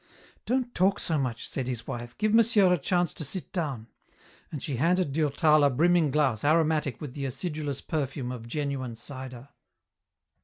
"Don't talk so much!" said his wife. "Give monsieur a chance to sit down," and she handed Durtal a brimming glass aromatic with the acidulous perfume of genuine cider.